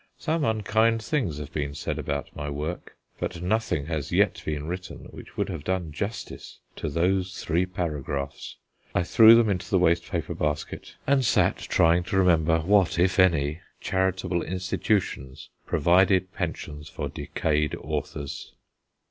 Some unkind things have been said about my work; but nothing has yet been written which would have done justice to those three paragraphs. I threw them into the waste paper basket, and sat trying to remember what, if any, charitable institutions provided pensions for decayed authors.